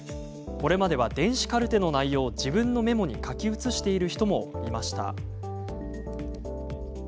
これまでは、電子カルテの内容を自分のメモに書き写している人もいました。